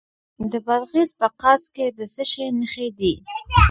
د بادغیس په قادس کې د څه شي نښې دي؟